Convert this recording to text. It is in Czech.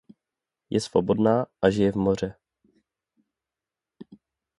Je svobodná a žije v Moře.